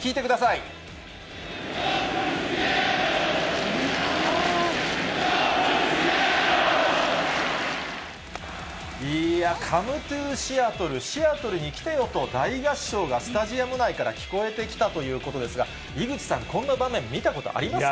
いやー、カム・トゥ・シアトルに来てよと、大合唱がスタジアム内から聞こえてきたということですが、井口さん、こんな場面、見たことありますか？